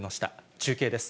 中継です。